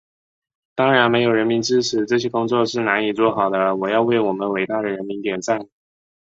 当然，没有人民支持，这些工作是难以做好的，我要为我们伟大的人民点赞。